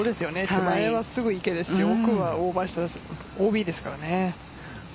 手前はすぐ池ですし奥はオーバーしたらＯＢですからね。